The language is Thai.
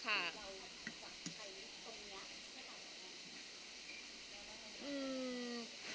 ไปทำอะไรนะคะ